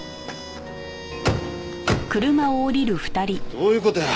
どういう事や？